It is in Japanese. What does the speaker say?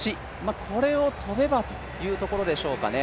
これを跳べばというところでしょうかね。